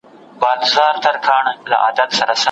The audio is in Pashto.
دا حالت تروما جوړوي.